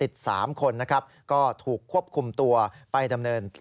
ในคดียาเสพติด๓คนนะครับก็ถูกควบคุมตัวไปดำเนินคดี